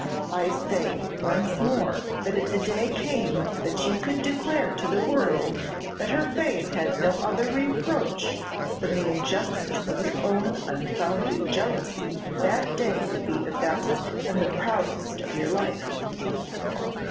I say once more, that if the day came that you could declare to the world that her fame had no other reproach than the injustice of your own unfounded jealousy, that day would be the best and the proudest of your life."